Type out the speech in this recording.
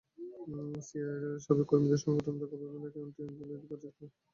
সিআইএর সাবেক কর্মীদের সংগঠন দ্য গভর্নমেন্ট অ্যাকাউন্টিবিলিটি প্রজেক্ট স্নোডেনকে পুরস্কারটি দেয়।